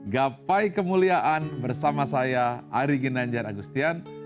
gapai kemuliaan bersama saya ari ginanjar agustian